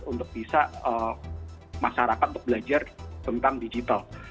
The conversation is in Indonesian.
untuk bisa masyarakat untuk belajar tentang digital